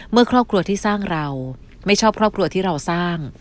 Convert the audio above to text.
เมื่อครอบครัวที่สร้างเราไม่ชอบครอบครัวที่เราสร้าง